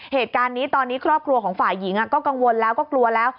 เหตุการณ์นี้ตอนนี้ครอบครัวของฝ่ายหญิงก็กังวลแล้วก็กลัวแล้ว